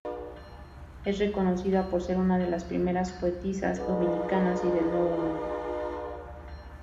Es reconocida por ser una de las primeras poetisas dominicanas y del Nuevo Mundo.